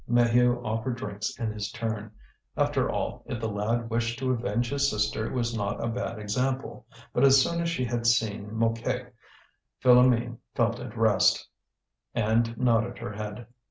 Maheu offered drinks in his turn. After all, if the lad wished to avenge his sister it was not a bad example. But as soon as she had seen Mouquet, Philoméne felt at rest, and nodded her head.